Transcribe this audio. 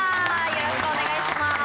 よろしくお願いします。